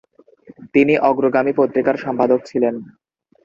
তিনি অগ্রগামী পত্রিকার সম্পাদক ছিলেন।